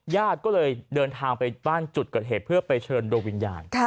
ญาติก็เลยเดินทางไปบ้านจุดเกิดเหตุเพื่อไปเชิญดวงวิญญาณ